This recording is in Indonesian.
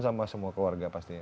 sama semua keluarga pastinya